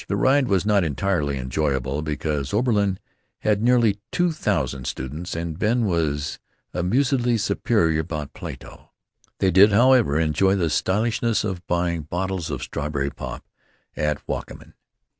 The ride was not entirely enjoyable, because Oberlin had nearly two thousand students and Ben was amusedly superior about Plato. They did, however, enjoy the stylishness of buying bottles of strawberry pop at Wakamin.